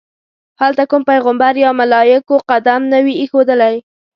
هلته کوم پیغمبر یا ملایکو قدم نه وي ایښودلی.